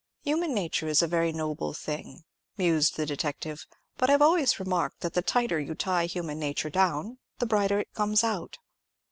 Human nature is a very noble thing," mused the detective; "but I've always remarked that the tighter you tie human nature down, the brighter it comes out."